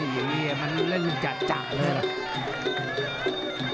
อย่างนี้มันจะจักเลย